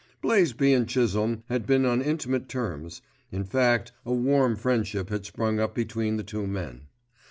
Blaisby and Chisholme had been on intimate terms, in fact a warm friendship had sprung up between the two men.